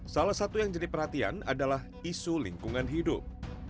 salah satu yang jadi perhatian adalah isu lingkungan hidup